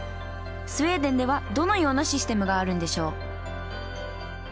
スウェーデンではどのようなシステムがあるんでしょう？